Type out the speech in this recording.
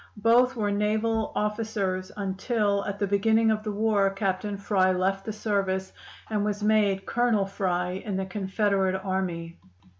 Both were naval officers, until at the beginning of the war Captain Fry left the service, and was made Colonel Fry in the Confederate Army.